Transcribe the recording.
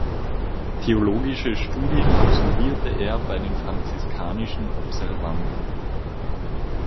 Theologische Studien absolvierte er bei den franziskanischen Observanten.